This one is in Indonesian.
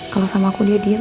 kalau sama aku dia diam